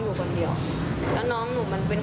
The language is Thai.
กลุ่มวัยรุ่นฝั่งพระแดง